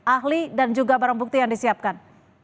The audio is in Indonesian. ahli dan juga barang bukti yang disiapkan